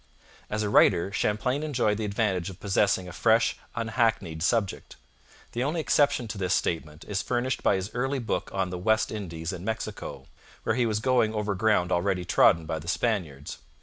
As a writer, Champlain enjoyed the advantage of possessing a fresh, unhackneyed subject. The only exception to this statement is furnished by his early book on the West Indies and Mexico, where he was going over ground already trodden by the Spaniards.